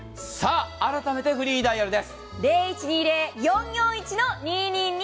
改めてフリーダイヤルです。